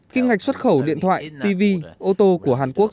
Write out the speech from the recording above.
kim ngạch xuất khẩu điện thoại tv ô tô của hàn quốc